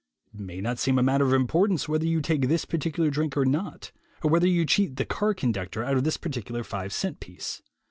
It may not seem a matter of importance whether you take this particular drink or not, or whether you cheat the car conductor out of this particular five cent piece.